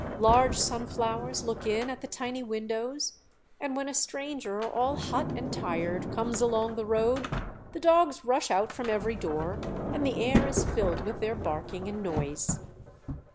Large sunflowers look in at the tiny windows, and when a stranger all hot and tired comes along the road the dogs rush out from every door and the air is filled with their barking and noise.